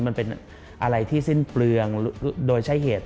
มันเป็นอะไรที่สิ้นเปลืองโดยใช้เหตุ